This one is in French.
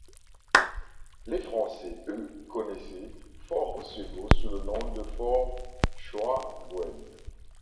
Les Français eux connaissaient Fort Oswego sous le nom de Fort Chouaguen.